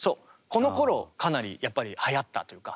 このころかなりやっぱりはやったというか。